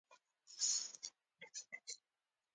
بادرنګ کولای شي د تشو حاجت اسانتیا راولي.